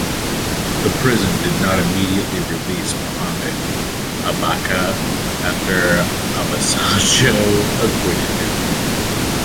The prison did not immediately release Mohammed Abacha after Obasanjo acquitted him.